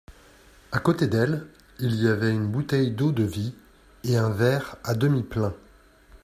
À côté d'elle, il y avait une bouteille d'eau-de-vie et un verre à demi plein.